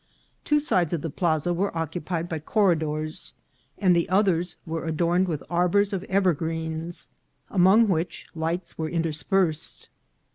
Two sides of the plaza were occupied by corridors, and the others were adorned with arbours of evergreens, among which lights were interspersed.